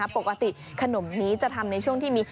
ปกติขนมนี้จะทำในช่วงที่มี